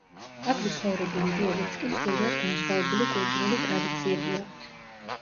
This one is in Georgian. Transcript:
აქ მცხოვრებ ინდიელებს კი სრულიად განსხვავებული კულტურული ტრადიციები აქვთ.